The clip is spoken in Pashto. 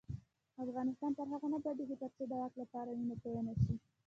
افغانستان تر هغو نه ابادیږي، ترڅو د واک لپاره وینه تویه نشي.